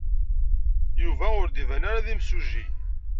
Yuba ur d-iban ara d imsujji.